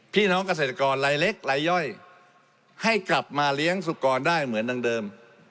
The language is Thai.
พี่น้องเกษตรกรรายเล็กรายย่อยให้กลับมาเลี้ยงสุกรได้เหมือนดังเดิม